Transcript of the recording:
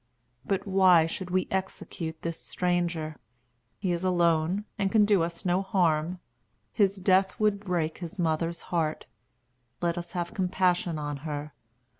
But why should we execute this stranger? He is alone, and can do us no harm. His death would break his mother's heart. Let us have compassion on her.